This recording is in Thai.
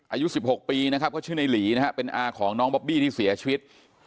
อายุ๑๖ปีนะครับเขาชื่อในหลีนะฮะเป็นอาของน้องบอบบี้ที่เสียชีวิต